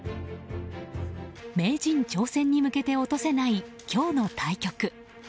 名人挑戦に向けて落とせない今日の対局。